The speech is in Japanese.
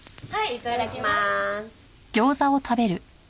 いただきまーす。